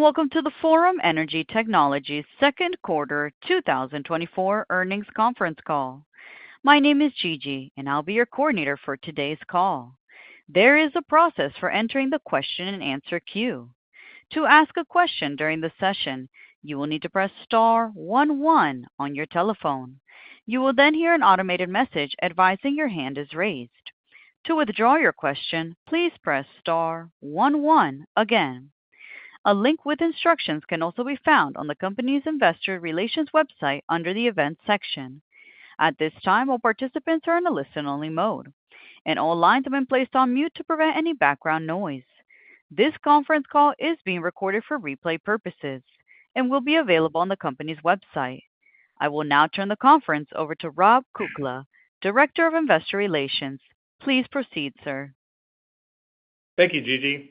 Welcome to the Forum Energy Technologies Second Quarter 2024 Earnings Conference Call. My name is Gigi, and I'll be your coordinator for today's call. There is a process for entering the question-and-answer queue. To ask a question during the session, you will need to press star one one on your telephone. You will then hear an automated message advising your hand is raised. To withdraw your question, please press star one one again. A link with instructions can also be found on the company's investor relations website under the Events section. At this time, all participants are in a listen-only mode, and all lines have been placed on mute to prevent any background noise. This conference call is being recorded for replay purposes and will be available on the company's website. I will now turn the conference over to Rob Kukla, Director of Investor Relations. Please proceed, sir. Thank you, Gigi.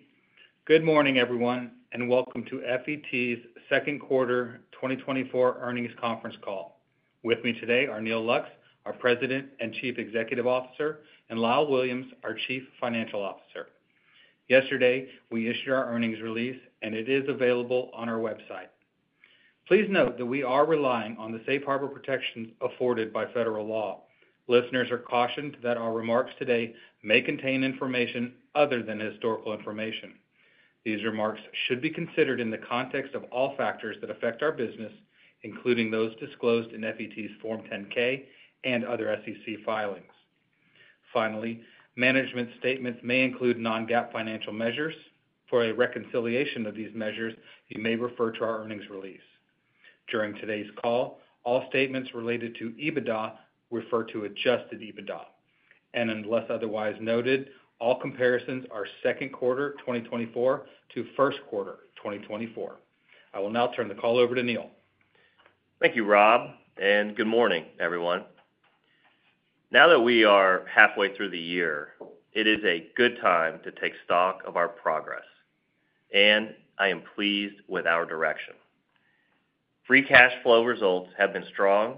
Good morning, everyone, and welcome to FET's second quarter 2024 earnings conference call. With me today are Neal Lux, our President and Chief Executive Officer, and Lyle Williams, our Chief Financial Officer. Yesterday, we issued our earnings release, and it is available on our website. Please note that we are relying on the safe harbor protections afforded by federal law. Listeners are cautioned that our remarks today may contain information other than historical information. These remarks should be considered in the context of all factors that affect our business, including those disclosed in FET's Form 10-K and other SEC filings. Finally, management statements may include non-GAAP financial measures. For a reconciliation of these measures, you may refer to our earnings release. During today's call, all statements related to EBITDA refer to Adjusted EBITDA, and unless otherwise noted, all comparisons are second quarter 2024 to first quarter 2024. I will now turn the call over to Neal. Thank you, Rob, and good morning, everyone. Now that we are halfway through the year, it is a good time to take stock of our progress, and I am pleased with our direction. Free cash flow results have been strong,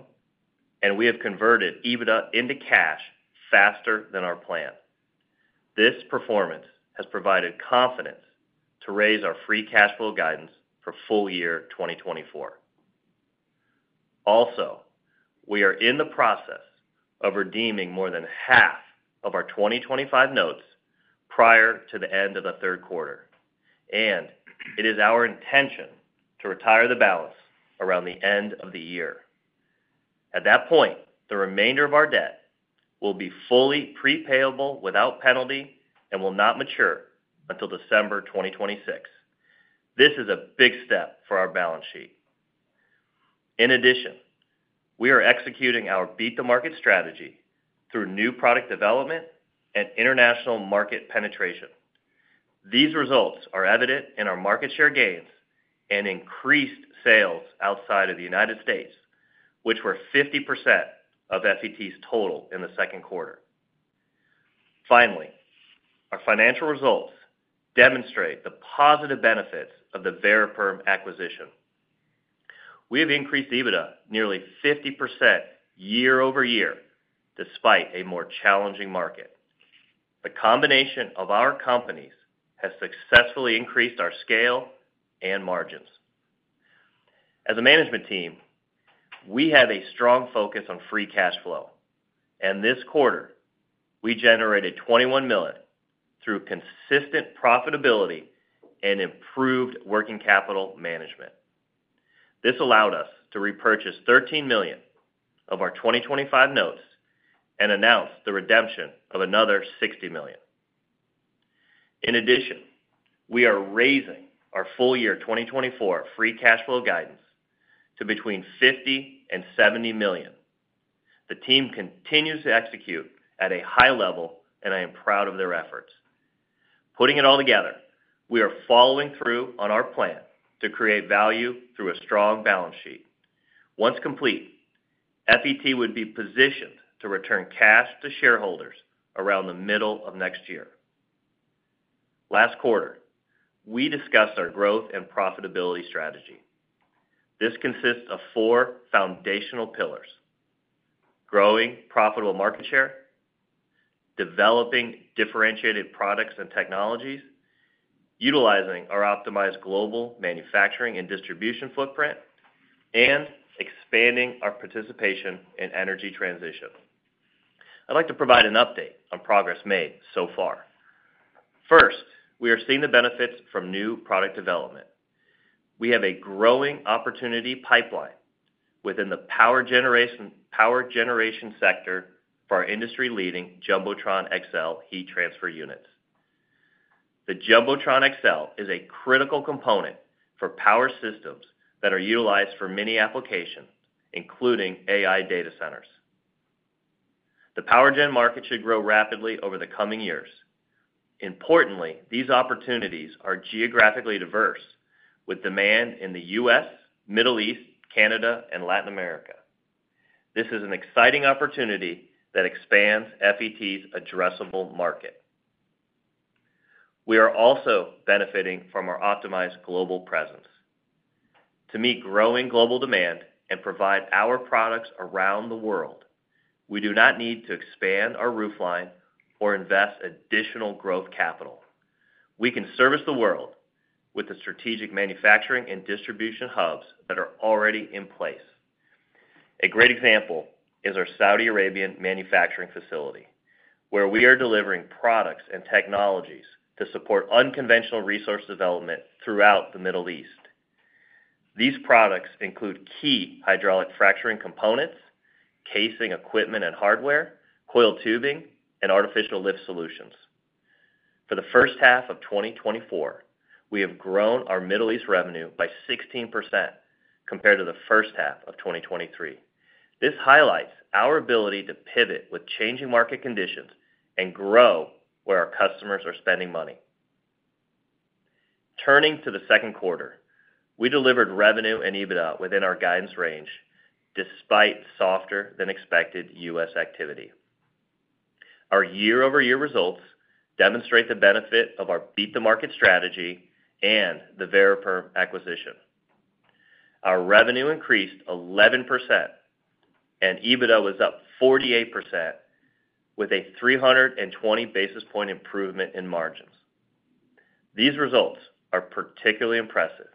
and we have converted EBITDA into cash faster than our plan. This performance has provided confidence to raise our free cash flow guidance for full year 2024. Also, we are in the process of redeeming more than half of our 2025 notes prior to the end of the third quarter, and it is our intention to retire the balance around the end of the year. At that point, the remainder of our debt will be fully prepayable without penalty and will not mature until December 2026. This is a big step for our balance sheet. In addition, we are executing our Beat the Market strategy through new product development and international market penetration. These results are evident in our market share gains and increased sales outside of the United States, which were 50% of FET's total in the second quarter. Finally, our financial results demonstrate the positive benefits of the Variperm acquisition. We have increased EBITDA nearly 50% year-over-year, despite a more challenging market. The combination of our companies has successfully increased our scale and margins. As a management team, we have a strong focus on free cash flow, and this quarter, we generated $21 million through consistent profitability and improved working capital management. This allowed us to repurchase $13 million of our 2025 notes and announce the redemption of another $60 million. In addition, we are raising our full year 2024 free cash flow guidance to between $50 million and $70 million. The team continues to execute at a high level, and I am proud of their efforts. Putting it all together, we are following through on our plan to create value through a strong balance sheet. Once complete, FET would be positioned to return cash to shareholders around the middle of next year. Last quarter, we discussed our growth and profitability strategy. This consists of four foundational pillars: growing profitable market share, developing differentiated products and technologies, utilizing our optimized global manufacturing and distribution footprint, and expanding our participation in energy transition. I'd like to provide an update on progress made so far. First, we are seeing the benefits from new product development. We have a growing opportunity pipeline within the power generation, power generation sector for our industry-leading Jumbotron XL heat transfer units. The Jumbotron XL is a critical component for power systems that are utilized for many applications, including AI data centers. The power gen market should grow rapidly over the coming years. Importantly, these opportunities are geographically diverse, with demand in the U.S., Middle East, Canada, and Latin America. This is an exciting opportunity that expands FET's addressable market. We are also benefiting from our optimized global presence... to meet growing global demand and provide our products around the world, we do not need to expand our roofline or invest additional growth capital. We can service the world with the strategic manufacturing and distribution hubs that are already in place. A great example is our Saudi Arabian manufacturing facility, where we are delivering products and technologies to support unconventional resource development throughout the Middle East. These products include key hydraulic fracturing components, casing equipment and hardware, coiled tubing, and artificial lift solutions. For the first half of 2024, we have grown our Middle East revenue by 16% compared to the first half of 2023. This highlights our ability to pivot with changing market conditions and grow where our customers are spending money. Turning to the second quarter, we delivered revenue and EBITDA within our guidance range, despite softer-than-expected U.S. activity. Our year-over-year results demonstrate the benefit of our beat the market strategy and the Variperm acquisition. Our revenue increased 11%, and EBITDA was up 48%, with a 320 basis point improvement in margins. These results are particularly impressive,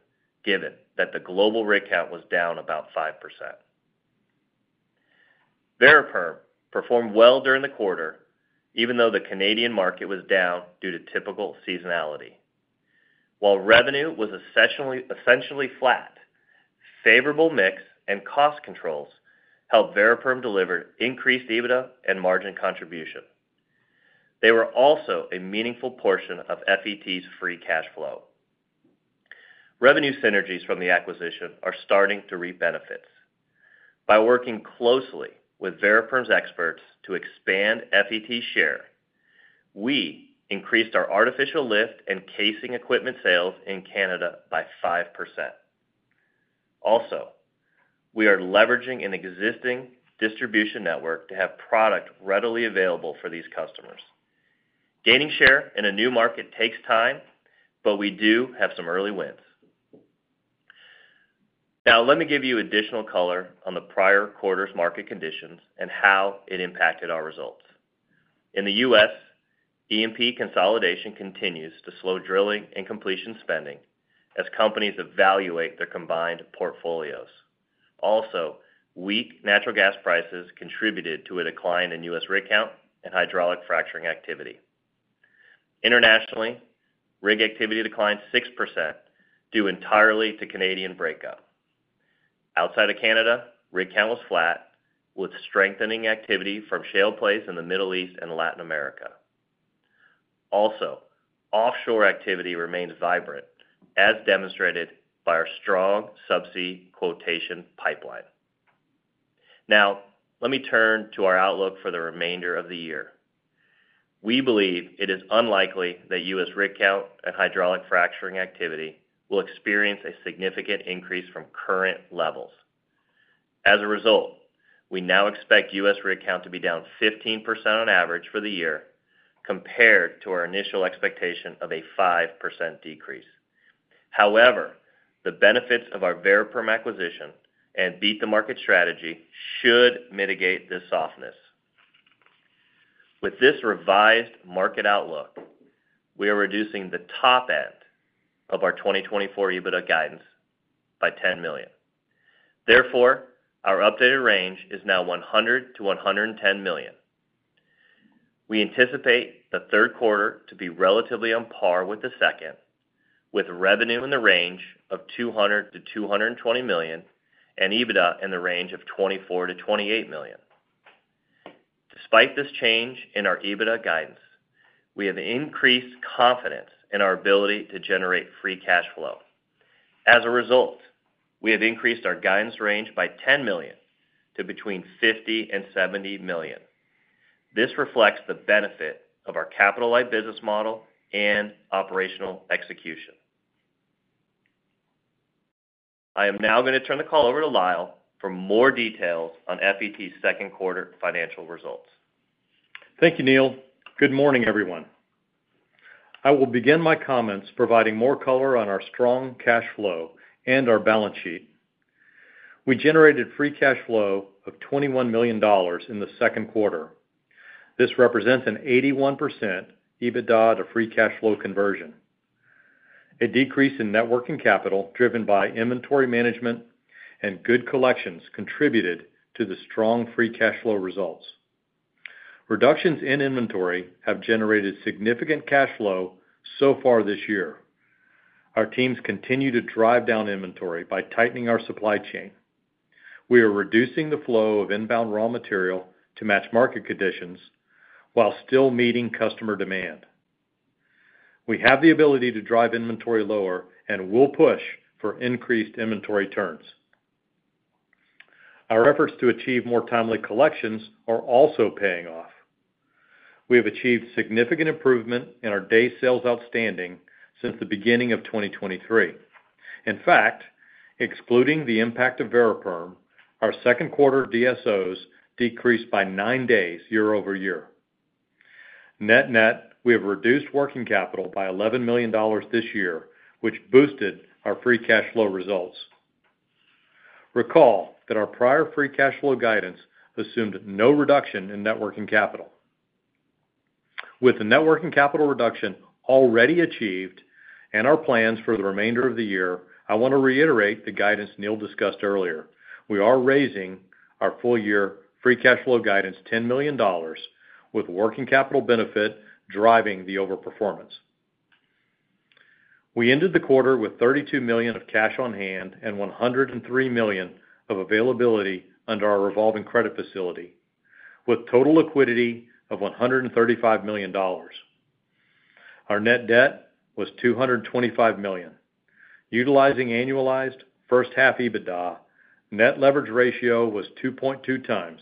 given that the global rig count was down about 5%. Variperm performed well during the quarter, even though the Canadian market was down due to typical seasonality. While revenue was essentially, essentially flat, favorable mix and cost controls helped Variperm deliver increased EBITDA and margin contribution. They were also a meaningful portion of FET's free cash flow. Revenue synergies from the acquisition are starting to reap benefits. By working closely with Variperm's experts to expand FET share, we increased our artificial lift and casing equipment sales in Canada by 5%. Also, we are leveraging an existing distribution network to have product readily available for these customers. Gaining share in a new market takes time, but we do have some early wins. Now, let me give you additional color on the prior quarter's market conditions and how it impacted our results. In the U.S., E&P consolidation continues to slow drilling and completion spending as companies evaluate their combined portfolios. Also, weak natural gas prices contributed to a decline in U.S. rig count and hydraulic fracturing activity. Internationally, rig activity declined 6%, due entirely to Canadian breakup. Outside of Canada, rig count was flat, with strengthening activity from shale plays in the Middle East and Latin America. Also, offshore activity remains vibrant, as demonstrated by our strong subsea quotation pipeline. Now, let me turn to our outlook for the remainder of the year. We believe it is unlikely that U.S. rig count and hydraulic fracturing activity will experience a significant increase from current levels. As a result, we now expect U.S. rig count to be down 15% on average for the year, compared to our initial expectation of a 5% decrease. However, the benefits of our Variperm acquisition and beat the market strategy should mitigate this softness. With this revised market outlook, we are reducing the top end of our 2024 EBITDA guidance by $10 million. Therefore, our updated range is now $100 million-$110 million. We anticipate the third quarter to be relatively on par with the second, with revenue in the range of $200 million-$220 million, and EBITDA in the range of $24 million-$28 million. Despite this change in our EBITDA guidance, we have increased confidence in our ability to generate free cash flow. As a result, we have increased our guidance range by $10 million to between $50 million and $70 million. This reflects the benefit of our capital-light business model and operational execution. I am now gonna turn the call over to Lyle for more details on FET's second quarter financial results. Thank you, Neal. Good morning, everyone. I will begin my comments providing more color on our strong cash flow and our balance sheet. We generated free cash flow of $21 million in the second quarter. This represents an 81% EBITDA to free cash flow conversion. A decrease in net working capital, driven by inventory management and good collections, contributed to the strong free cash flow results. Reductions in inventory have generated significant cash flow so far this year. Our teams continue to drive down inventory by tightening our supply chain. We are reducing the flow of inbound raw material to match market conditions while still meeting customer demand. We have the ability to drive inventory lower and will push for increased inventory turns. Our efforts to achieve more timely collections are also paying off. We have achieved significant improvement in our day sales outstanding since the beginning of 2023. In fact, excluding the impact of Variperm, our second quarter DSOs decreased by 9 days year-over-year. Net-net, we have reduced working capital by $11 million this year, which boosted our free cash flow results. Recall that our prior free cash flow guidance assumed no reduction in net working capital. With the net working capital reduction already achieved and our plans for the remainder of the year, I wanna reiterate the guidance Neal discussed earlier. We are raising our full-year free cash flow guidance $10 million, with working capital benefit driving the overperformance. We ended the quarter with $32 million of cash on hand and $103 million of availability under our revolving credit facility, with total liquidity of $135 million. Our net debt was $225 million. Utilizing annualized first half EBITDA, net leverage ratio was 2.2x,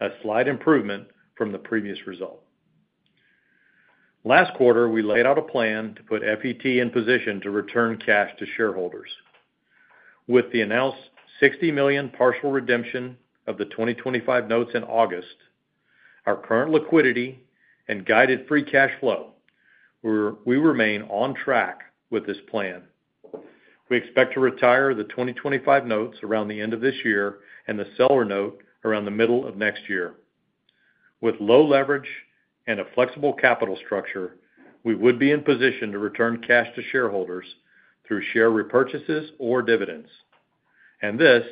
a slight improvement from the previous result. Last quarter, we laid out a plan to put FET in position to return cash to shareholders. With the announced $60 million partial redemption of the 2025 notes in August, our current liquidity and guided free cash flow, we remain on track with this plan. We expect to retire the 2025 notes around the end of this year and the seller note around the middle of next year. With low leverage and a flexible capital structure, we would be in position to return cash to shareholders through share repurchases or dividends, and this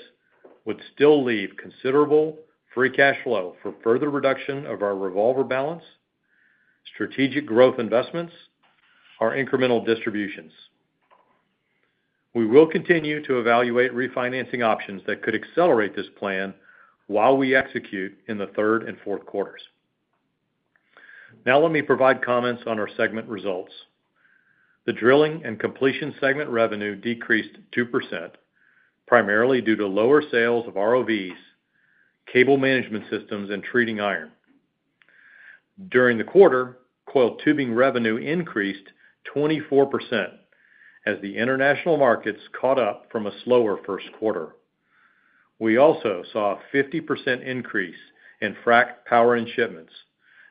would still leave considerable free cash flow for further reduction of our revolver balance, strategic growth investments, or incremental distributions. We will continue to evaluate refinancing options that could accelerate this plan while we execute in the third and fourth quarters. Now, let me provide comments on our segment results. The Drilling and Completions segment revenue decreased 2%, primarily due to lower sales of ROVs, cable management systems, and treating iron. During the quarter, coiled tubing revenue increased 24% as the international markets caught up from a slower first quarter. We also saw a 50% increase in frac power ends shipments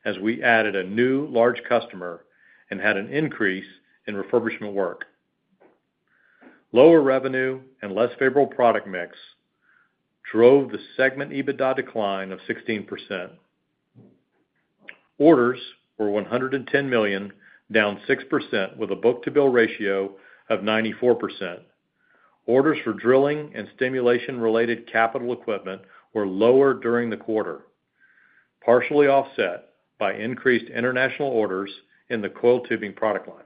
as we added a new large customer and had an increase in refurbishment work. Lower revenue and less favorable product mix drove the segment EBITDA decline of 16%. Orders were $110 million, down 6%, with a book-to-bill ratio of 94%. Orders for drilling and stimulation-related capital equipment were lower during the quarter, partially offset by increased international orders in the coiled tubing product line.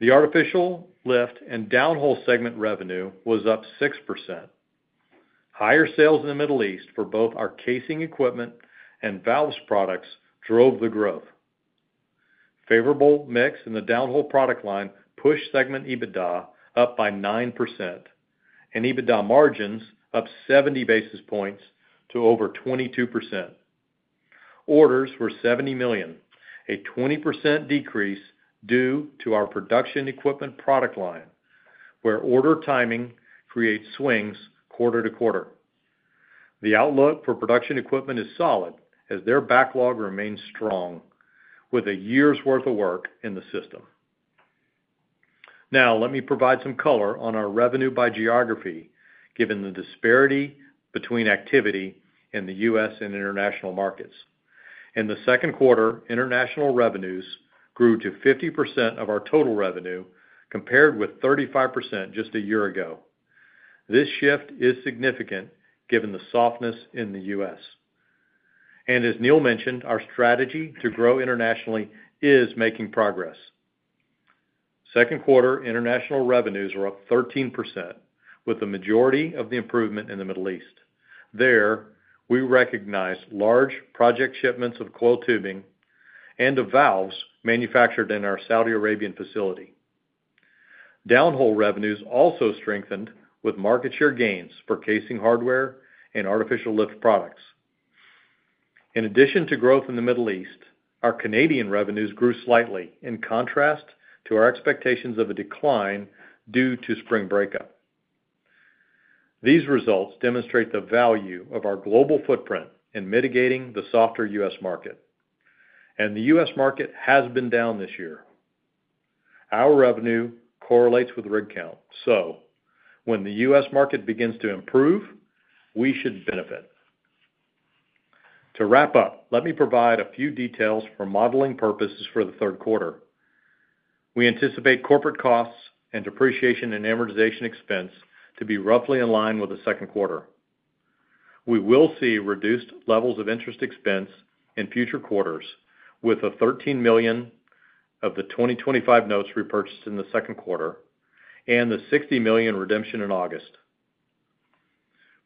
The Artificial Lift and Downhole segment revenue was up 6%. Higher sales in the Middle East for both our casing equipment and valves products drove the growth. Favorable mix in the downhole product line pushed segment EBITDA up by 9% and EBITDA margins up 70 basis points to over 22%. Orders were $70 million, a 20% decrease due to our production equipment product line, where order timing creates swings quarter to quarter. The outlook for production equipment is solid as their backlog remains strong, with a year's worth of work in the system. Now, let me provide some color on our revenue by geography, given the disparity between activity in the U.S. and international markets. In the second quarter, international revenues grew to 50% of our total revenue, compared with 35% just a year ago. This shift is significant given the softness in the U.S. And as Neal mentioned, our strategy to grow internationally is making progress. Second quarter, international revenues were up 13%, with the majority of the improvement in the Middle East. There, we recognized large project shipments of coiled tubing and of valves manufactured in our Saudi Arabian facility. Downhole revenues also strengthened with market share gains for casing, hardware, and artificial lift products. In addition to growth in the Middle East, our Canadian revenues grew slightly, in contrast to our expectations of a decline due to spring breakup. These results demonstrate the value of our global footprint in mitigating the softer U.S. market, and the U.S. market has been down this year. Our revenue correlates with rig count, so when the U.S. market begins to improve, we should benefit. To wrap up, let me provide a few details for modeling purposes for the third quarter. We anticipate corporate costs and depreciation and amortization expense to be roughly in line with the second quarter. We will see reduced levels of interest expense in future quarters, with the $13 million of the 2025 notes repurchased in the second quarter and the $60 million redemption in August.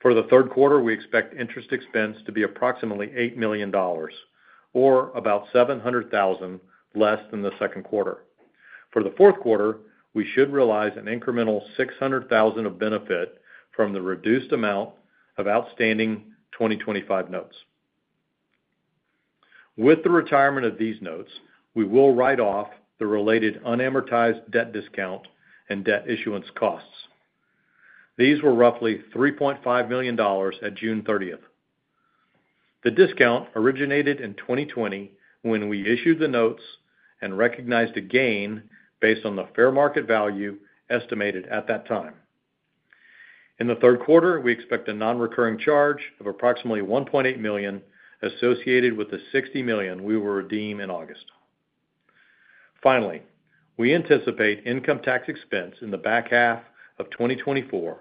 For the third quarter, we expect interest expense to be approximately $8 million or about $700,000 less than the second quarter. For the fourth quarter, we should realize an incremental $600,000 of benefit from the reduced amount of outstanding 2025 notes. With the retirement of these notes, we will write off the related unamortized debt discount and debt issuance costs. These were roughly $3.5 million at June 30th. The discount originated in 2020, when we issued the notes and recognized a gain based on the fair market value estimated at that time. In the third quarter, we expect a non-recurring charge of approximately $1.8 million associated with the $60 million we will redeem in August. Finally, we anticipate income tax expense in the back half of 2024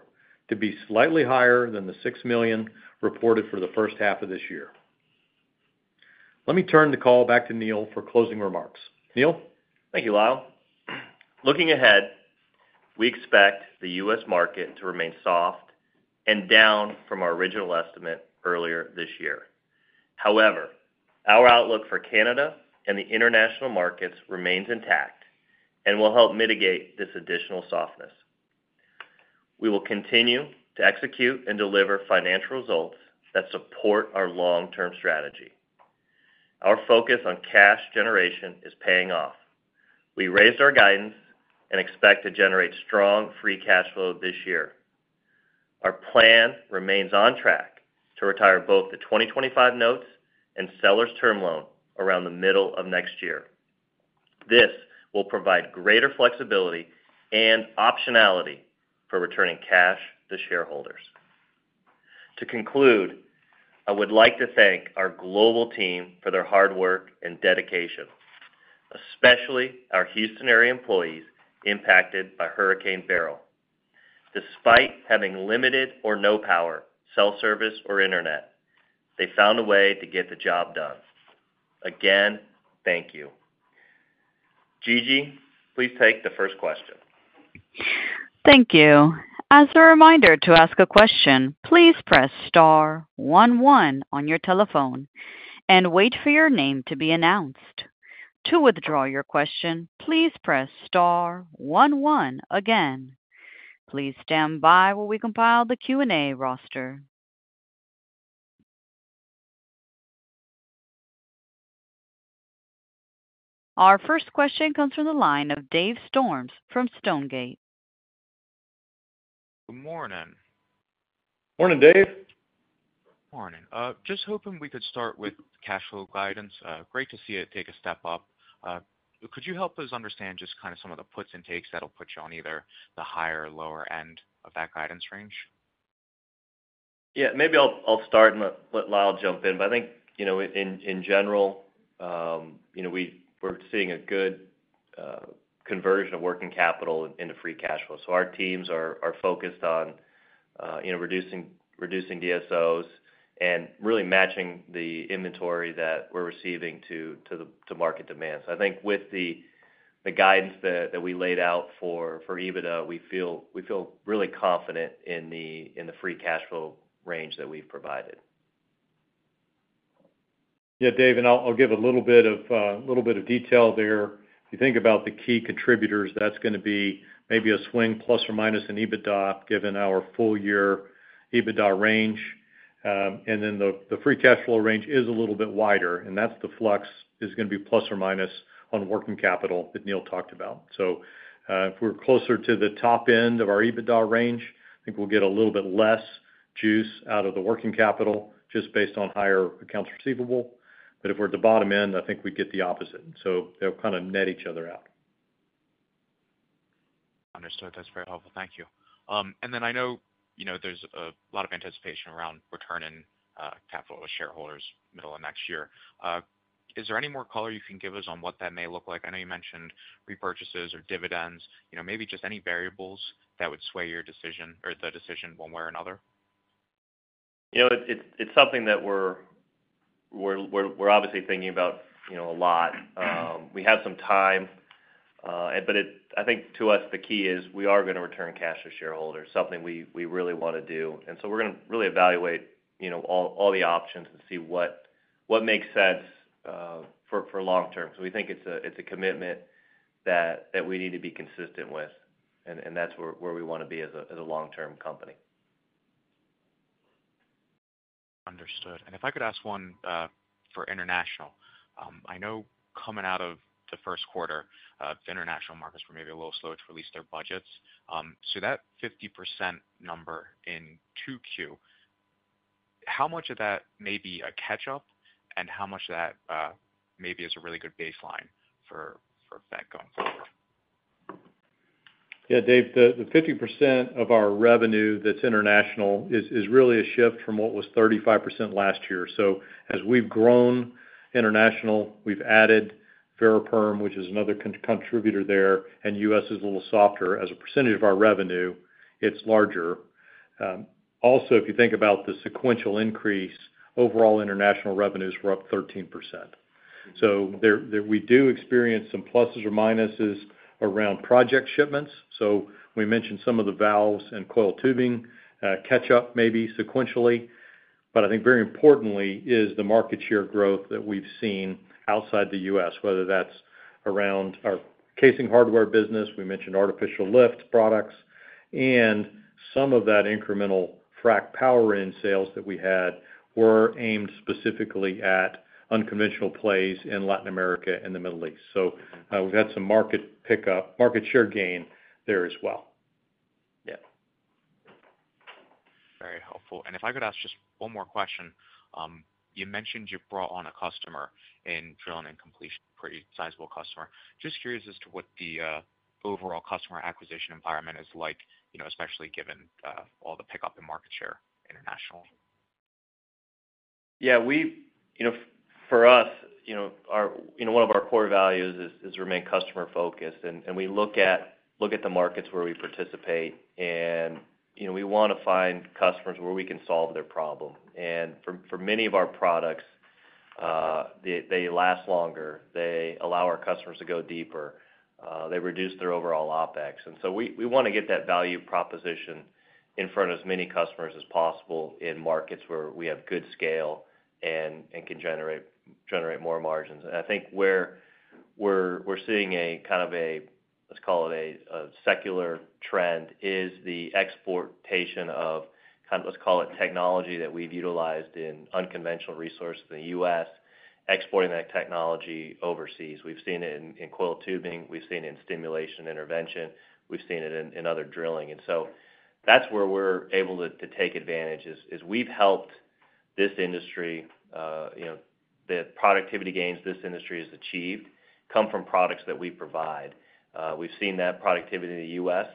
to be slightly higher than the $6 million reported for the first half of this year. Let me turn the call back to Neal for closing remarks. Neal? Thank you, Lyle. Looking ahead, we expect the U.S. market to remain soft and down from our original estimate earlier this year. However, our outlook for Canada and the international markets remains intact and will help mitigate this additional softness. We will continue to execute and deliver financial results that support our long-term strategy. Our focus on cash generation is paying off. We raised our guidance and expect to generate strong free cash flow this year. Our plan remains on track to retire both the 2025 notes and seller term loan around the middle of next year. This will provide greater flexibility and optionality for returning cash to shareholders. To conclude, I would like to thank our global team for their hard work and dedication, especially our Houston area employees impacted by Hurricane Beryl. Despite having limited or no power, cell service, or internet, they found a way to get the job done. Again, thank you. Gigi, please take the first question. Thank you. As a reminder to ask a question, please press star one one on your telephone and wait for your name to be announced. To withdraw your question, please press star one one again. Please stand by while we compile the Q&A roster. Our first question comes from the line of Dave Storms from Stonegate. Good morning. Morning, Dave. Morning. Just hoping we could start with cash flow guidance. Great to see it take a step up. Could you help us understand just kind of some of the puts and takes that'll put you on either the higher or lower end of that guidance range? Yeah, maybe I'll start and let Lyle jump in. But I think, you know, in general, you know, we're seeing a good conversion of working capital into free cash flow. So our teams are focused on, you know, reducing DSOs and really matching the inventory that we're receiving to the market demand. So I think with the guidance that we laid out for EBITDA, we feel really confident in the free cash flow range that we've provided. Yeah, Dave, and I'll give a little bit of a little bit of detail there. If you think about the key contributors, that's gonna be maybe a swing, plus or minus an EBITDA, given our full year EBITDA range. And then the free cash flow range is a little bit wider, and that's the flux, is gonna be plus or minus on working capital that Neal talked about. So, if we're closer to the top end of our EBITDA range, I think we'll get a little bit less juice out of the working capital just based on higher accounts receivable. But if we're at the bottom end, I think we get the opposite. So they'll kind of net each other out. Understood. That's very helpful. Thank you. And then I know, you know, there's a lot of anticipation around returning capital to shareholders middle of next year. Is there any more color you can give us on what that may look like? I know you mentioned repurchases or dividends, you know, maybe just any variables that would sway your decision or the decision one way or another. You know, it's something that we're obviously thinking about, you know, a lot. We have some time, but I think to us, the key is we are gonna return cash to shareholders, something we really wanna do. And so we're gonna really evaluate, you know, all the options and see what makes sense, for long term. So we think it's a commitment that we need to be consistent with, and that's where we wanna be as a long-term company. Understood. And if I could ask one for international. I know coming out of the first quarter, the international markets were maybe a little slow to release their budgets. So that 50% number in 2Q, how much of that may be a catch-up? And how much of that maybe is a really good baseline for that going forward? Yeah, Dave, the 50% of our revenue that's international is really a shift from what was 35% last year. So as we've grown international, we've added Variperm, which is another contributor there, and U.S. is a little softer. As a percentage of our revenue, it's larger. Also, if you think about the sequential increase, overall international revenues were up 13%. So there we do experience some pluses or minuses around project shipments. So we mentioned some of the valves and coiled tubing catch up maybe sequentially, but I think very importantly is the market share growth that we've seen outside the U.S., whether that's around our casing hardware business, we mentioned artificial lift products, and some of that incremental frac power end sales that we had were aimed specifically at unconventional plays in Latin America and the Middle East. So, we've had some market pickup, market share gain there as well. Yeah. Very helpful. If I could ask just one more question. You mentioned you brought on a customer in drilling and completion, pretty sizable customer. Just curious as to what the overall customer acquisition environment is like, you know, especially given all the pickup in market share internationally. Yeah, you know, for us, you know, our, you know, one of our core values is remain customer focused, and we look at the markets where we participate and, you know, we wanna find customers where we can solve their problem. And for many of our products, they last longer, they allow our customers to go deeper, they reduce their overall OpEx. And so we wanna get that value proposition in front of as many customers as possible in markets where we have good scale and can generate more margins. And I think where we're seeing a kind of a, let's call it a secular trend, is the exportation of kind of, let's call it, technology that we've utilized in unconventional resources in the U.S., exporting that technology overseas. We've seen it in coiled tubing, we've seen it in stimulation intervention, we've seen it in other drilling. And so that's where we're able to take advantage, we've helped this industry, you know, the productivity gains this industry has achieved, come from products that we provide. We've seen that productivity in the U.S.,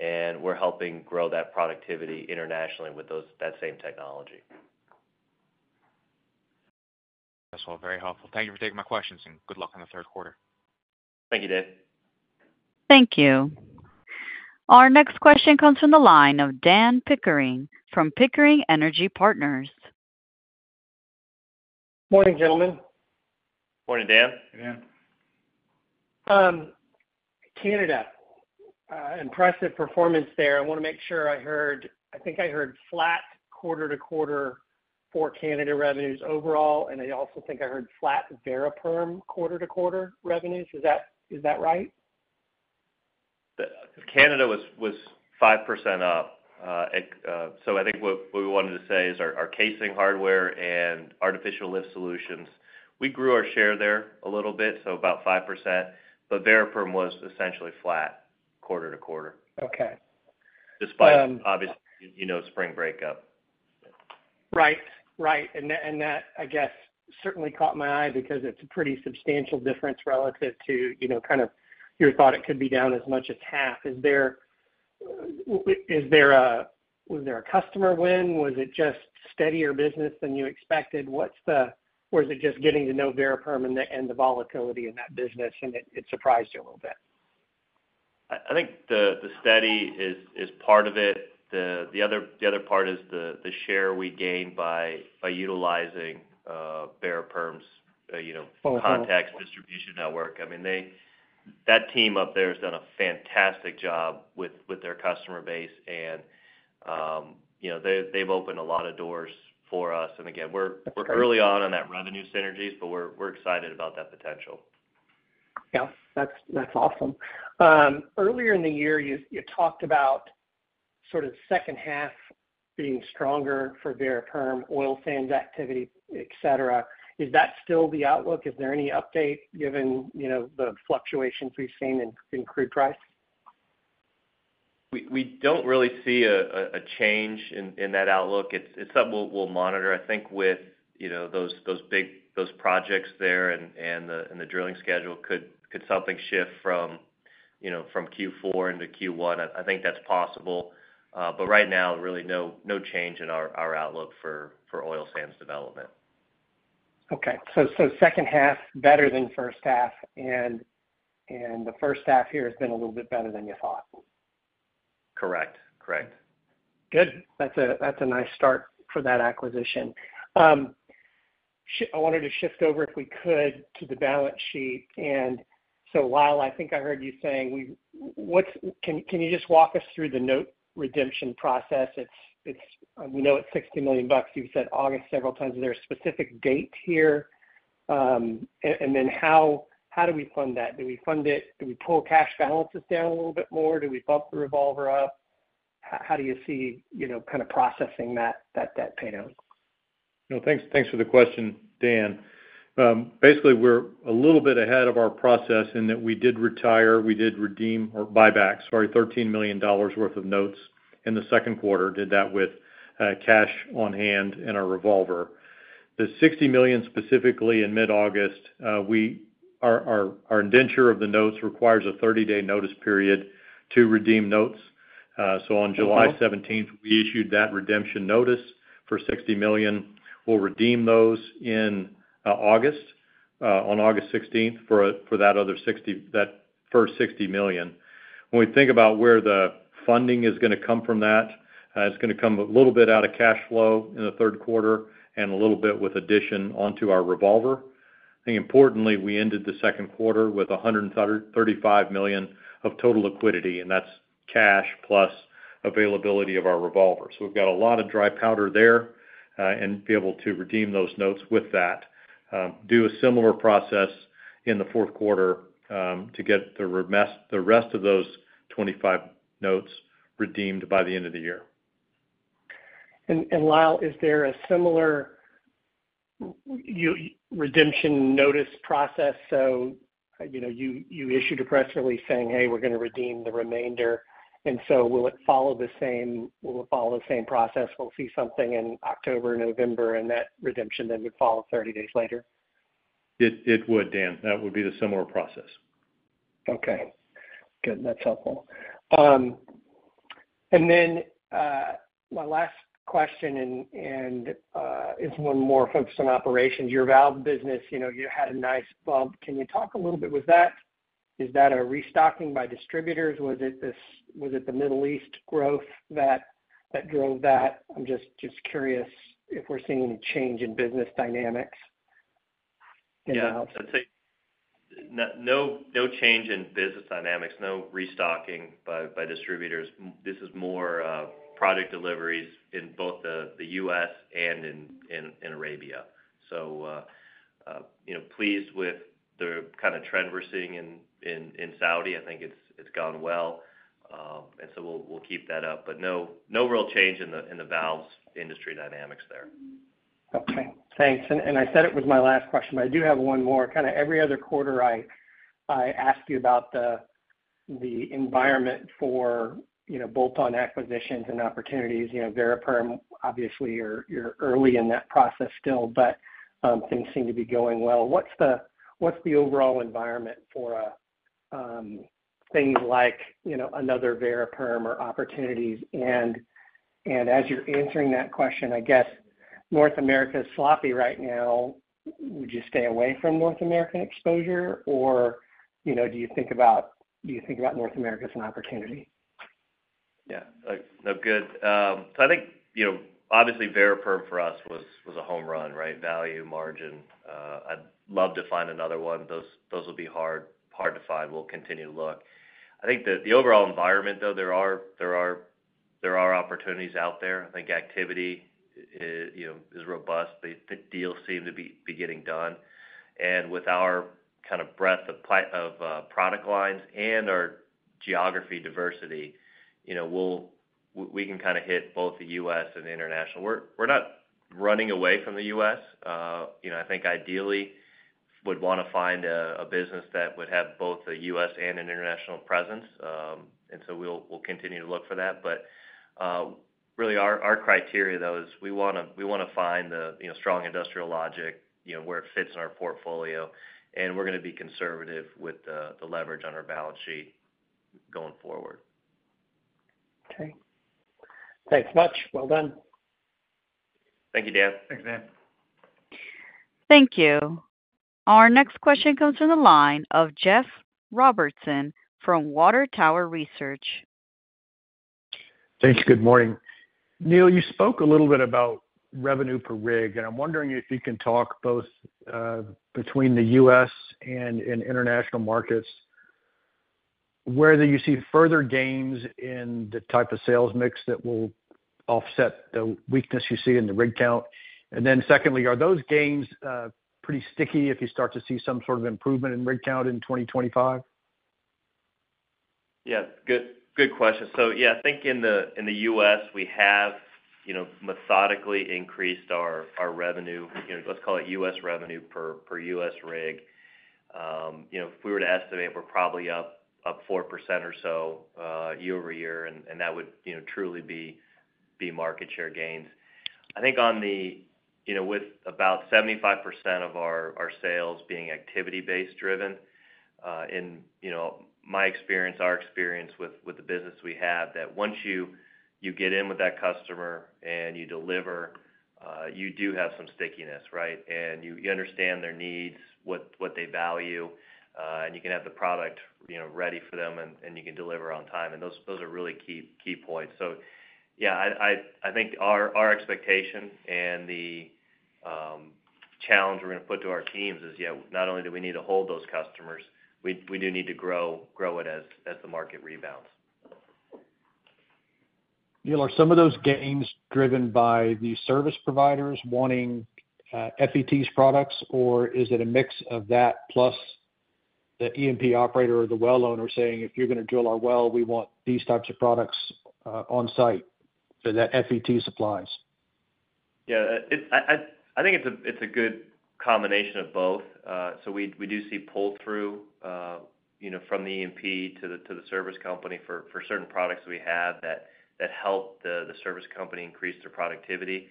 and we're helping grow that productivity internationally with that same technology. That's all very helpful. Thank you for taking my questions, and good luck on the third quarter. Thank you, Dave. Thank you. Our next question comes from the line of Dan Pickering from Pickering Energy Partners. Morning, gentlemen. Morning, Dan. Hey, Dan. Canada, impressive performance there. I wanna make sure I heard... I think I heard flat quarter-over-quarter for Canada revenues overall, and I also think I heard flat Variperm quarter-over-quarter revenues. Is that, is that right? Canada was 5% up. So I think what we wanted to say is our casing, hardware, and artificial lift solutions, we grew our share there a little bit, so about 5%, but Variperm was essentially flat quarter to quarter. Okay. Despite, obviously, you know, spring breakup. Right. Right. And that, and that, I guess, certainly caught my eye because it's a pretty substantial difference relative to, you know, kind of your thought it could be down as much as half. Is there a, was there a customer win? Was it just steadier business than you expected? What's the... Or is it just getting to know Variperm and the, and the volatility in that business, and it, it surprised you a little bit? I think the steady is part of it. The other part is the share we gain by utilizing Variperm's, you know contacts, distribution network. I mean, they. That team up there has done a fantastic job with their customer base, and, you know, they, they've opened a lot of doors for us. And again, we're early on, on that revenue synergies, but we're, we're excited about that potential. Yeah, that's, that's awesome. Earlier in the year, you talked about sort of second half being stronger for Variperm, oil sands activity, et cetera. Is that still the outlook? Is there any update given, you know, the fluctuations we've seen in crude price? We don't really see a change in that outlook. It's something we'll monitor. I think with, you know, those big projects there and the drilling schedule, could something shift from, you know, from Q4 into Q1? I think that's possible. But right now, really no change in our outlook for oil sands development. Okay. So second half, better than first half, and the first half here has been a little bit better than you thought? Correct. Correct. Good. That's a, that's a nice start for that acquisition. I wanted to shift over, if we could, to the balance sheet. And so Lyle, I think I heard you saying we. Can you just walk us through the note redemption process? It's. We know it's $60 million. You've said August several times. Is there a specific date here? And then how do we fund that? Do we fund it, do we pull cash balances down a little bit more? Do we bump the revolver up? How do you see, you know, kind of processing that debt paydown? You know, thanks, thanks for the question, Dan. Basically, we're a little bit ahead of our process in that we did retire, we did redeem or buyback, sorry, $13 million worth of notes in the second quarter. Did that with cash on hand and our revolver. The $60 million, specifically in mid-August, our indenture of the notes requires a 30-day notice period to redeem notes. So on July 17th, we issued that redemption notice for $60 million. We'll redeem those in August on August 16th, for that first $60 million. When we think about where the funding is gonna come from that, it's gonna come a little bit out of cash flow in the third quarter and a little bit with addition onto our revolver. I think importantly, we ended the second quarter with $135 million of total liquidity, and that's cash plus availability of our revolvers. We've got a lot of dry powder there, and be able to redeem those notes with that. Do a similar process in the fourth quarter, to get the rest of those 25 notes redeemed by the end of the year. And Lyle, is there a similar redemption notice process? So, you know, you issued a press release saying, "Hey, we're gonna redeem the remainder." And so will it follow the same, will it follow the same process? We'll see something in October, November, and that redemption then would follow 30 days later? It would, Dan. That would be the similar process. Okay, good. That's helpful. And then my last question is one more focused on operations. Your valve business, you know, you had a nice bump. Can you talk a little bit? Is that a restocking by distributors? Was it the Middle East growth that drove that? I'm just curious if we're seeing any change in business dynamics in valves? Yeah. I'd say, no, no change in business dynamics, no restocking by distributors. This is more of product deliveries in both the U.S. and in Arabia. So, you know, pleased with the kind of trend we're seeing in Saudi. I think it's gone well. And so we'll keep that up. But no, no real change in the valves industry dynamics there. Okay, thanks. I said it was my last question, but I do have one more. Kind of every other quarter, I ask you about the environment for, you know, bolt-on acquisitions and opportunities. You know, Variperm, obviously, you're early in that process still, but things seem to be going well. What's the overall environment for things like, you know, another Variperm or opportunities? And as you're answering that question, I guess North America is sloppy right now. Would you stay away from North American exposure or, you know, do you think about North America as an opportunity? Yeah. No, good. So I think, you know, obviously, Variperm for us was, was a home run, right? Value, margin. I'd love to find another one. Those, those will be hard, hard to find. We'll continue to look. I think the, the overall environment, though, there are, there are, there are opportunities out there. I think activity, you know, is robust. The, the deals seem to be, be getting done. And with our kind of breadth of product lines and our geography diversity, you know, we can kind of hit both the U.S. and the international. We're, we're not running away from the U.S. You know, I think ideally would wanna find a, a business that would have both a U.S. and an international presence. And so we'll, we'll continue to look for that. Really, our criteria, though, is we wanna find the, you know, strong industrial logic, you know, where it fits in our portfolio, and we're gonna be conservative with the leverage on our balance sheet going forward. Okay. Thanks much. Well done. Thank you, Dan. Thanks, Dan. Thank you. Our next question comes from the line of Jeff Robertson from Water Tower Research. Thanks. Good morning. Neal, you spoke a little bit about revenue per rig, and I'm wondering if you can talk both between the U.S. and in international markets, whether you see further gains in the type of sales mix that will offset the weakness you see in the rig count. And then secondly, are those gains pretty sticky if you start to see some sort of improvement in rig count in 2025? Yeah, good, good question. So yeah, I think in the U.S., we have, you know, methodically increased our revenue, you know, let's call it U.S. revenue per U.S. rig. You know, if we were to estimate, we're probably up 4% or so year-over-year, and that would, you know, truly be market share gains. I think on the, you know, with about 75% of our sales being activity-based driven, in, you know, my experience, our experience with the business, we have that once you get in with that customer and you deliver, you do have some stickiness, right? And you understand their needs, what they value, and you can have the product, you know, ready for them, and you can deliver on time. And those are really key points. So yeah, I think our expectation and the challenge we're gonna put to our teams is, yeah, not only do we need to hold those customers, we do need to grow it as the market rebounds. Neal, are some of those gains driven by the service providers wanting, FET's products, or is it a mix of that plus the E&P operator or the well owner saying, "If you're gonna drill our well, we want these types of products, on site," that FET supplies? Yeah, I think it's a good combination of both. So we do see pull-through, you know, from the E&P to the service company for certain products we have that help the service company increase their productivity.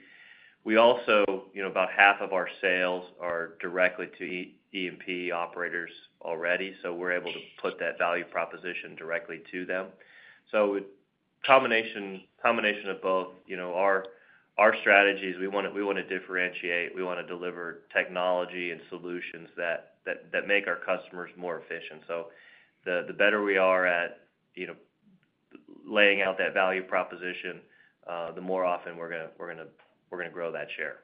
We also, you know, about half of our sales are directly to E&P operators already, so we're able to put that value proposition directly to them. So combination of both. You know, our strategy is we wanna differentiate, we wanna deliver technology and solutions that make our customers more efficient. So the better we are at, you know, laying out that value proposition, the more often we're gonna grow that share.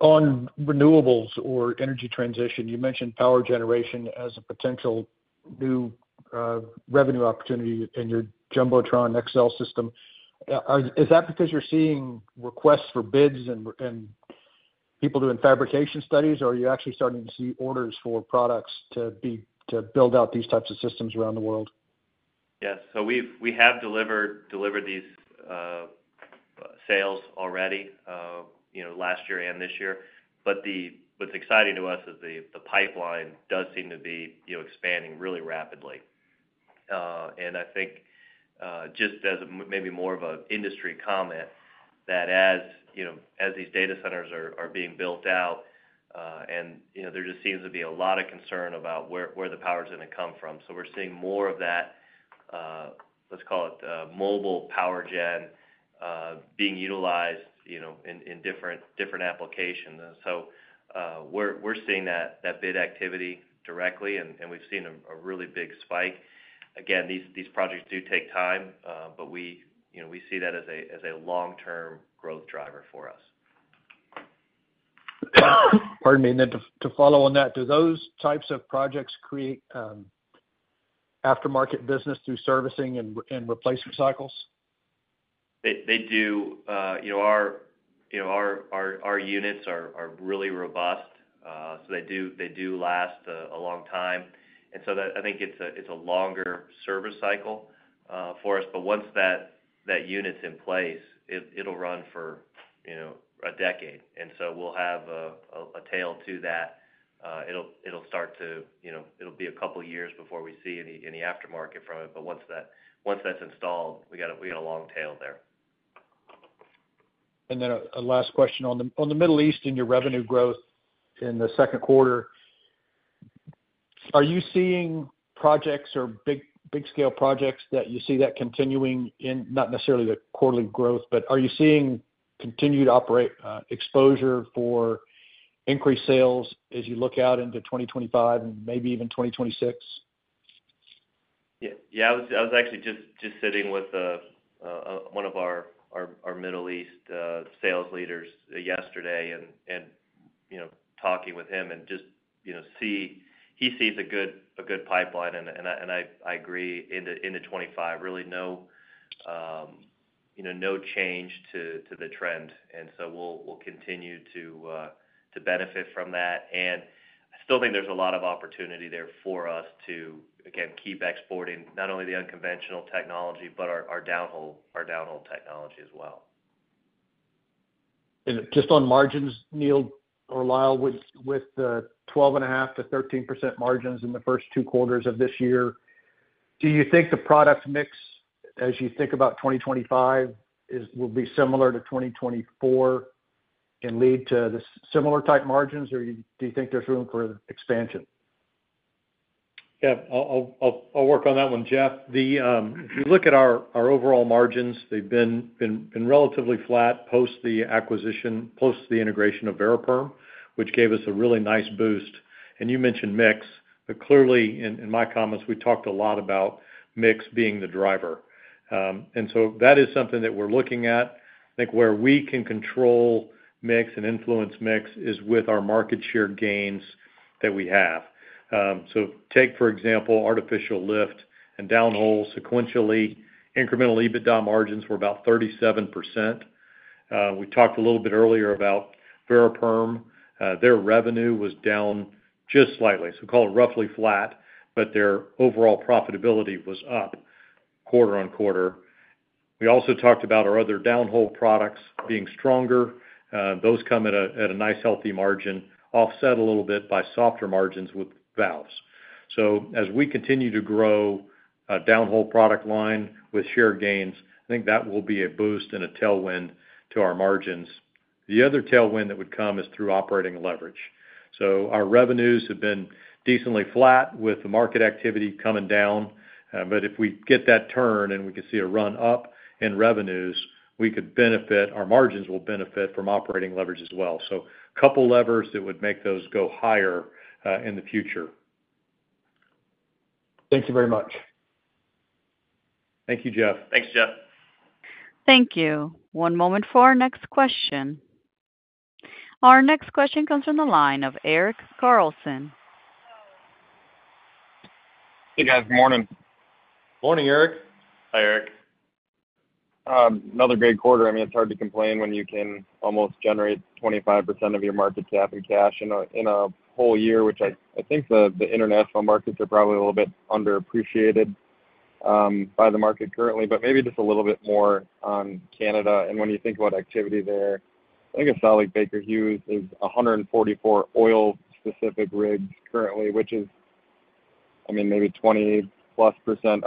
On renewables or energy transition, you mentioned power generation as a potential new revenue opportunity in your Jumbotron XL system. Is that because you're seeing requests for bids and people doing fabrication studies, or are you actually starting to see orders for products to build out these types of systems around the world? Yes, so we've delivered these sales already, you know, last year and this year. But what's exciting to us is the pipeline does seem to be, you know, expanding really rapidly. And I think, just as maybe more of an industry comment, that as, you know, as these data centers are being built out, and, you know, there just seems to be a lot of concern about where the power is gonna come from. So we're seeing more of that, let's call it, mobile power gen, being utilized, you know, in different applications. So, we're seeing that bid activity directly, and we've seen a really big spike. Again, these, these projects do take time, but we, you know, we see that as a, as a long-term growth driver for us. Pardon me. Then to follow on that, do those types of projects create aftermarket business through servicing and replacement cycles? They do. You know, our units are really robust, so they do last a long time. And so that, I think it's a longer service cycle for us. But once that unit's in place, it'll run for, you know, a decade. And so we'll have a tail to that. It'll start to, you know, it'll be a couple of years before we see any aftermarket from it, but once that's installed, we got a long tail there. And then a last question. On the Middle East, in your revenue growth in the second quarter, are you seeing projects or big scale projects that you see that continuing in, not necessarily the quarterly growth, but are you seeing continued operate exposure for increased sales as you look out into 2025 and maybe even 2026? Yeah. Yeah, I was actually just sitting with one of our Middle East sales leaders yesterday and, you know, talking with him and just, you know, he sees a good pipeline, and I agree going into 2025. Really, no, you know, no change to the trend. And so we'll continue to benefit from that. And I still think there's a lot of opportunity there for us to, again, keep exporting not only the unconventional technology, but our downhole technology as well. Just on margins, Neal or Lyle, with the 12.5%-13% margins in the first two quarters of this year, do you think the product mix, as you think about 2025, will be similar to 2024 and lead to the similar type margins, or do you think there's room for expansion? Yeah. I'll work on that one, Jeff. If you look at our overall margins, they've been relatively flat post the acquisition, post the integration of Variperm, which gave us a really nice boost. And you mentioned mix, but clearly, in my comments, we talked a lot about mix being the driver. And so that is something that we're looking at. I think where we can control mix and influence mix is with our market share gains that we have. So take, for example, Artificial Lift and Downhole. Sequentially, incremental EBITDA margins were about 37%. We talked a little bit earlier about Variperm. Their revenue was down just slightly, so call it roughly flat, but their overall profitability was up quarter-over-quarter. We also talked about our other downhole products being stronger. Those come at a nice, healthy margin, offset a little bit by softer margins with valves. So as we continue to grow a downhole product line with share gains, I think that will be a boost and a tailwind to our margins. The other tailwind that would come is through operating leverage. So our revenues have been decently flat with the market activity coming down. But if we get that turn and we can see a run up in revenues, we could benefit. Our margins will benefit from operating leverage as well. So a couple levers that would make those go higher in the future. Thank you very much. Thank you, Jeff. Thanks, Jeff. Thank you. One moment for our next question. Our next question comes from the line of Eric Carlson. Hey, guys. Morning. Morning, Eric. Hi, Eric. Another great quarter. I mean, it's hard to complain when you can almost generate 25% of your market cap in cash in a whole year, which I think the international markets are probably a little bit underappreciated by the market currently, but maybe just a little bit more on Canada and when you think about activity there. I think I saw, like Baker Hughes is 144 oil-specific rigs currently, which is, I mean, maybe 20+%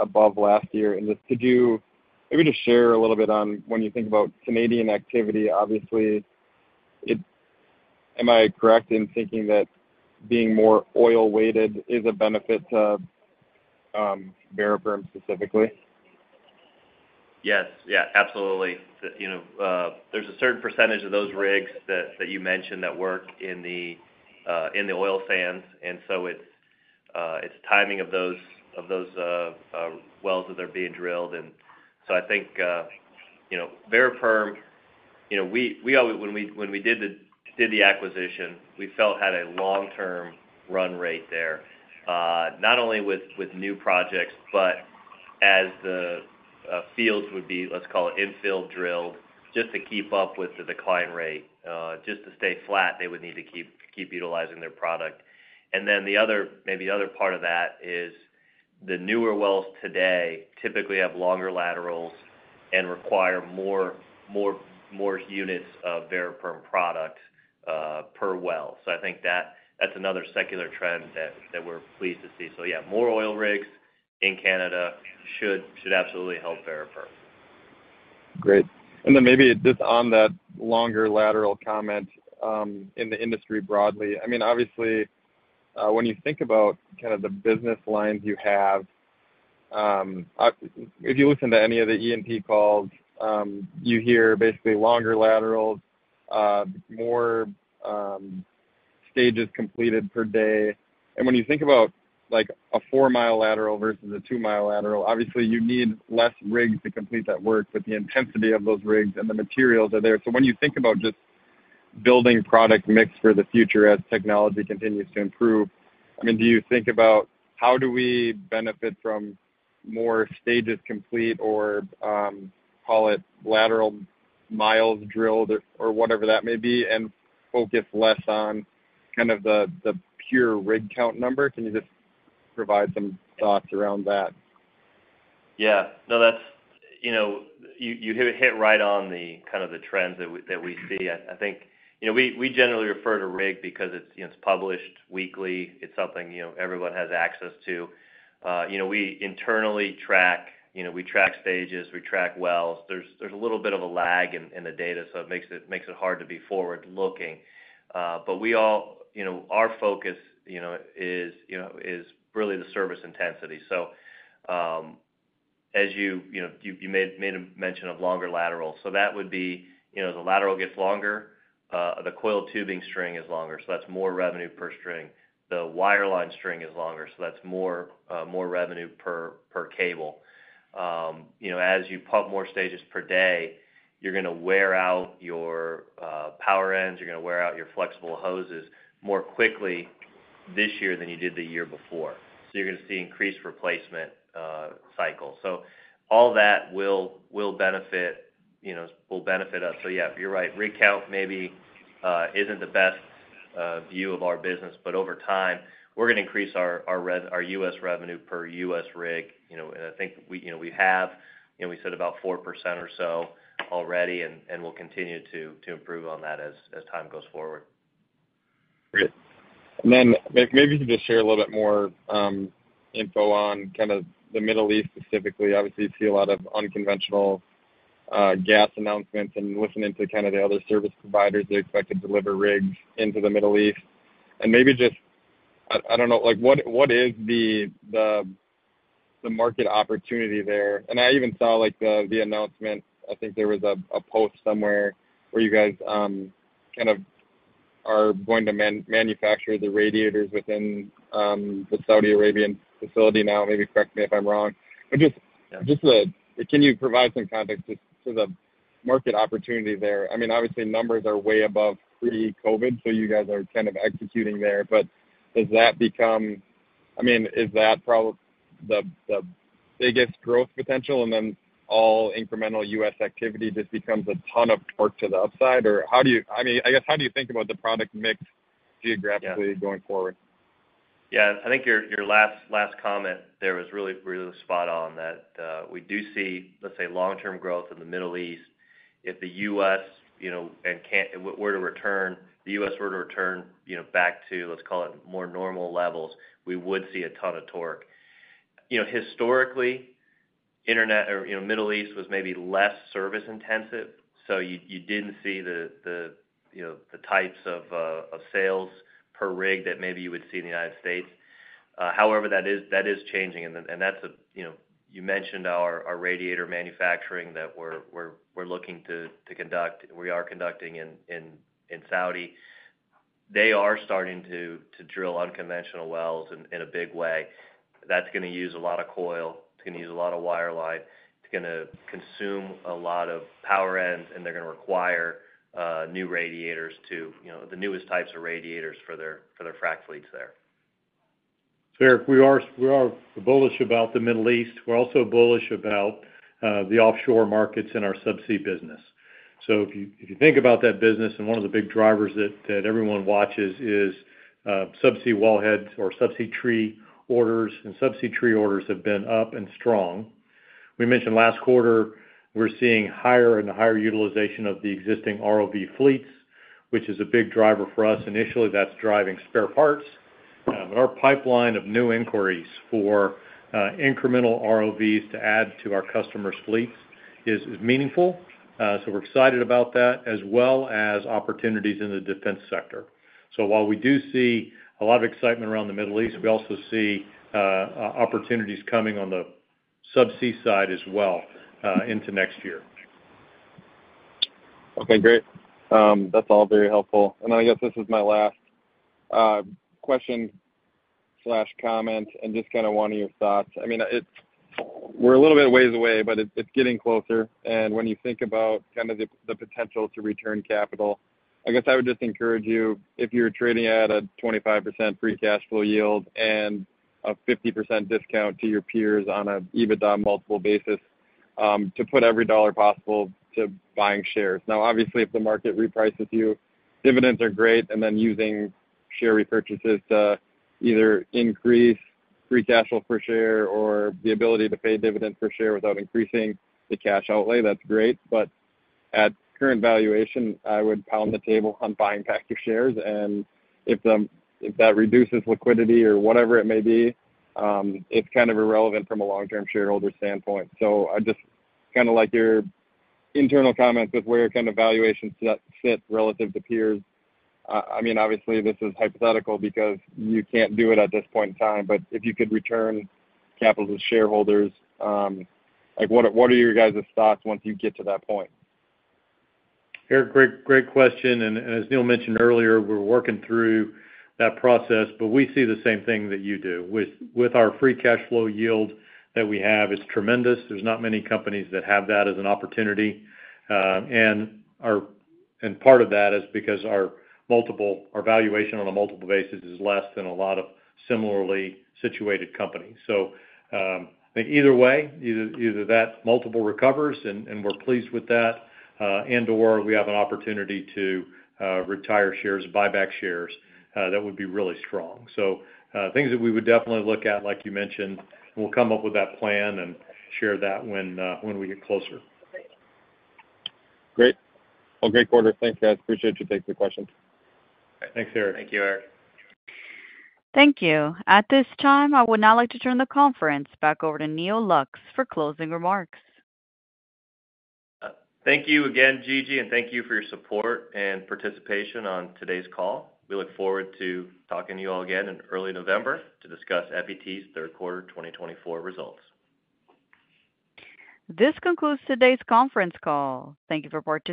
above last year. And just could you maybe just share a little bit on when you think about Canadian activity? Obviously, am I correct in thinking that being more oil-weighted is a benefit to Variperm specifically? Yes. Yeah, absolutely. You know, there's a certain percentage of those rigs that you mentioned that work in the oil sands, and so it's timing of those wells that are being drilled. And so I think, you know, Variperm, you know, we always, when we did the acquisition, we felt had a long-term run rate there, not only with new projects, but as the fields would be, let's call it, infill drilled, just to keep up with the decline rate. Just to stay flat, they would need to keep utilizing their product. And then the other, maybe the other part of that is the newer wells today typically have longer laterals and require more units of Variperm product per well. So I think that's another secular trend that we're pleased to see. So yeah, more oil rigs in Canada should absolutely help Variperm. Great. And then maybe just on that longer lateral comment, in the industry broadly, I mean, obviously, when you think about kind of the business lines you have, if you listen to any of the E&P calls, you hear basically longer laterals, more stages completed per day. And when you think about, like, a four-mile lateral versus a two-mile lateral, obviously you need less rigs to complete that work, but the intensity of those rigs and the materials are there. So when you think about just building product mix for the future as technology continues to improve, I mean, do you think about how do we benefit from more stages complete or, call it lateral miles drilled or, or whatever that may be, and focus less on kind of the, the pure rig count number? Can you just provide some thoughts around that? Yeah. No, that's, you know, you hit right on the kind of the trends that we see. I think, you know, we generally refer to rig because it's, you know, it's published weekly. It's something, you know, everyone has access to. You know, we internally track, you know, we track stages, we track wells. There's a little bit of a lag in the data, so it makes it hard to be forward-looking. But we all know, you know, our focus is really the service intensity. So, as you know, you made a mention of longer lateral. So that would be, you know, the lateral gets longer, the coil tubing string is longer, so that's more revenue per string. The wireline string is longer, so that's more revenue per cable. You know, as you pump more stages per day, you're gonna wear out your power ends, you're gonna wear out your flexible hoses more quickly this year than you did the year before. So you're gonna see increased replacement cycle. So all that will benefit, you know, will benefit us. So yeah, you're right, rig count maybe isn't the best view of our business, but over time, we're gonna increase our U.S. revenue per U.S. rig. You know, and I think we, you know, we have, you know, we said about 4% or so already, and we'll continue to improve on that as time goes forward. Great. And then maybe you can just share a little bit more, info on kind of the Middle East, specifically. Obviously, you see a lot of unconventional gas announcements, and listening to kind of the other service providers, they expect to deliver rigs into the Middle East. And maybe just, I don't know, like, what is the market opportunity there? And I even saw, like, the announcement. I think there was a post somewhere where you guys kind of are going to manufacture the radiators within the Saudi Arabian facility now. Maybe correct me if I'm wrong. But just to, can you provide some context to the market opportunity there? I mean, obviously, numbers are way above pre-COVID, so you guys are kind of executing there. But does that become, I mean, is that probably the biggest growth potential, and then all incremental U.S. activity just becomes a ton of torque to the upside? Or how do you, I mean, I guess, how do you think about the product mix geographically going forward? Yeah. I think your last comment there was really spot on, that we do see, let's say, long-term growth in the Middle East. If the U.S., you know, and Canada were to return, the U.S. were to return, you know, back to, let's call it, more normal levels, we would see a ton of torque. You know, historically, international or, you know, Middle East was maybe less service intensive, so you didn't see the you know, the types of sales per rig that maybe you would see in the United States. However, that is changing, and then, and that's a you know. You mentioned our radiator manufacturing that we're looking to conduct, we are conducting in Saudi. They are starting to drill unconventional wells in a big way. That's gonna use a lot of coil, it's gonna use a lot of wireline, it's gonna consume a lot of power ends, and they're gonna require new radiators to, you know, the newest types of radiators for their, for their frac fleets there. Eric, we are, we are bullish about the Middle East. We're also bullish about the offshore markets and our subsea business. So if you think about that business, and one of the big drivers that everyone watches is subsea wellheads or subsea tree orders, and subsea tree orders have been up and strong. We mentioned last quarter, we're seeing higher and higher utilization of the existing ROV fleets, which is a big driver for us. Initially, that's driving spare parts. But our pipeline of new inquiries for incremental ROVs to add to our customers' fleets is meaningful, so we're excited about that, as well as opportunities in the defense sector. So while we do see a lot of excitement around the Middle East, we also see opportunities coming on the subsea side as well into next year. Okay, great. That's all very helpful. And then I guess this is my last question/comment, and just kinda want your thoughts. I mean, it's – we're a little bit ways away, but it, it's getting closer. And when you think about kind of the potential to return capital. I guess I would just encourage you, if you're trading at a 25% free cash flow yield and a 50% discount to your peers on an EBITDA multiple basis, to put every dollar possible to buying shares. Now, obviously, if the market reprices you, dividends are great, and then using share repurchases to either increase free cash flow per share or the ability to pay dividend per share without increasing the cash outlay, that's great. But at current valuation, I would pound the table on buying back your shares, and if that reduces liquidity or whatever it may be, it's kind of irrelevant from a long-term shareholder standpoint. So I just kind of like your internal comments with where kind of valuations do not fit relative to peers. I mean, obviously, this is hypothetical, because you can't do it at this point in time, but if you could return capital to shareholders, like, what are, what are your guys' thoughts once you get to that point? Eric, great, great question, and as Neal mentioned earlier, we're working through that process, but we see the same thing that you do. With our free cash flow yield that we have, it's tremendous. There's not many companies that have that as an opportunity. And part of that is because our multiple, our valuation on a multiple basis is less than a lot of similarly situated companies. So, either way, either that multiple recovers and we're pleased with that, and/or we have an opportunity to retire shares, buy back shares, that would be really strong. So, things that we would definitely look at, like you mentioned, we'll come up with that plan and share that when we get closer. Great. Well, great quarter. Thanks, guys. Appreciate you taking the questions. Thanks, Eric. Thank you, Eric. Thank you. At this time, I would now like to turn the conference back over to Neal Lux for closing remarks. Thank you again, Gigi, and thank you for your support and participation on today's call. We look forward to talking to you all again in early November to discuss FET's third quarter 2024 results. This concludes today's conference call. Thank you for participating.